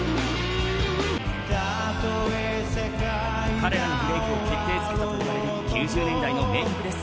彼らのブレークを決定づけたといわれる９０年代の名曲です。